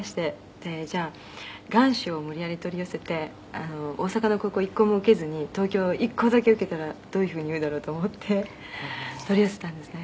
でじゃあ願書を無理やり取り寄せて大阪の高校を１校も受けずに東京１校だけ受けたらどういうふうに言うだろうと思って取り寄せたんですね」